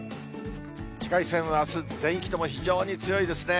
紫外線はあす、全域とも非常に強いですね。